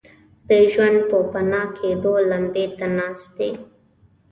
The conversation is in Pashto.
د ژوند پوپناه کېدو لمبې ته ناست دي.